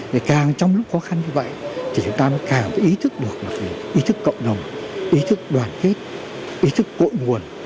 thì càng trong lúc khó khăn như vậy thì chúng ta càng có ý thức được ý thức cộng đồng ý thức đoàn kết ý thức cội nguồn